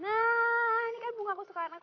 nah ini kan bungaku sekarang